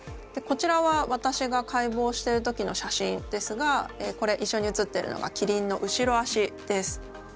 こちらは私が解剖している時の写真ですがこれ一緒に写ってるのがキリンの後ろ足です。